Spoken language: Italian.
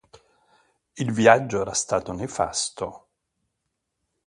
Il viaggio era stato nefasto.